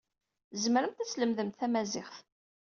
Tzemremt ad tlemdemt tamaziɣt.